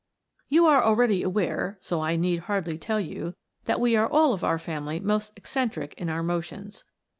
You are already aware, so I need hardly tell you, that we are all of our family most eccentric in our motions.